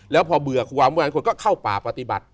แล้วพอเบื่อคุณคุณคุณก็เข้าป่าปฏิบัติ